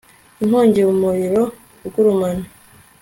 inkongi umuriro ugurumana